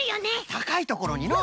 たかいところにのう。